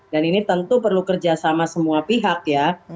ini tentu perlu kerjasama semua pihak ya